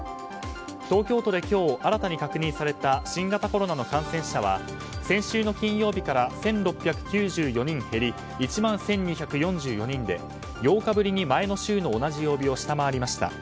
東京都で今日新たに確認された新型コロナの感染者は先週の金曜日から１６９４人減り１万１２４４人で８日ぶりに前の週の同じ曜日を下回りました。